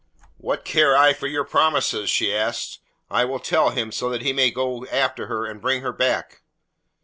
"What care I for your promises?" she asked. "I will tell him, so that he may yet go after her and bring her back."